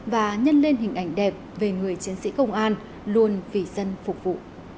và nhân lên hình ảnh đẹp về người chiến sĩ công an luôn vì dân phục vụ